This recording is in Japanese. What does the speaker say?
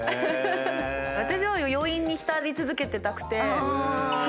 私は余韻に浸り続けてたくて。